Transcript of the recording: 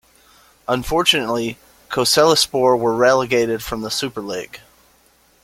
Unfotunately, Kocaelispor were relegated from the Superlig.